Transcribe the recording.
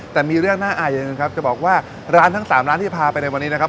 แต่มีเรื่องน่าอายอย่างหนึ่งครับจะบอกว่าร้านทั้งสามร้านที่พาไปในวันนี้นะครับ